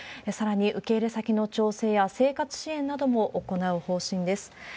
さらに受け入れ先の調整や生活支援なども行う方針です。